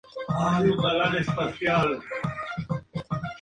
Este cargo se mantiene hoy en día, aunque no se hallan tantos como antes.